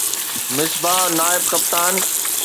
مصباح نائب ڪپتان